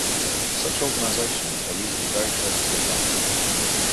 Such organisations are usually very close to the party.